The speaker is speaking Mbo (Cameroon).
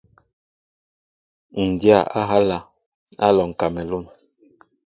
Ǹ dya á ehálā , Á alɔŋ kamelûn.